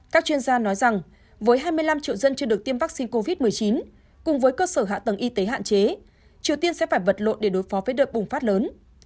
các chuyên gia nói rằng với hai mươi năm triệu dân chưa được tiêm vaccine covid một mươi chín cùng với cơ sở hạ tầng y tế hạn chế triều tiên sẽ phải vật lộn để đối phó với đợt bùng phát lớn